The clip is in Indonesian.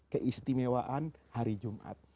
keistimewaan hari jumat